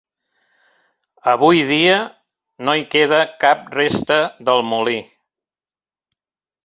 Avui dia, no hi queda cap resta del molí.